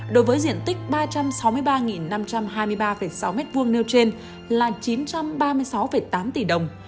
đối với diện tích ba trăm sáu mươi ba năm trăm hai mươi ba sáu m hai nêu trên là chín trăm ba mươi sáu tám tỷ đồng